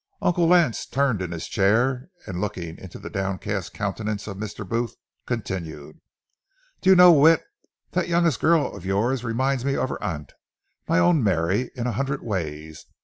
Uncle Lance turned in his chair, and, looking into the downcast countenance of Mr. Booth, continued: "Do you know, Whit, that youngest girl of yours reminds me of her aunt, my own Mary, in a hundred ways.